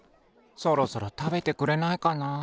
そろそろたべてくれないかな。